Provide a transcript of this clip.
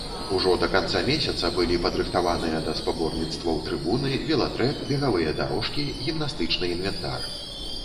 Ужо да канца месяца былі падрыхтаваныя да спаборніцтваў трыбуны, велатрэк, бегавыя дарожкі, гімнастычны інвентар.